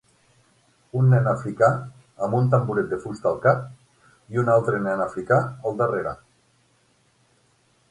Un nen africà amb un tamboret de fusta al cap i un altre nen africà al darrere.